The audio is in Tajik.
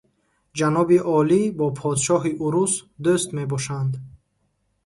Ҷаноби олӣ бо подшоҳи урус дӯст мебошанд.